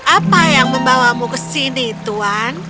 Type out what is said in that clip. apa yang membawamu ke sini tuhan